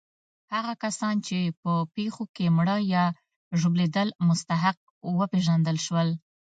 هغه کسان چې په پېښو کې مړه یا ژوبلېدل مستحق وپېژندل شول.